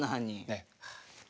ええ。